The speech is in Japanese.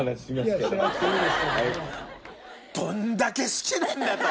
どんだけ好きなんだと！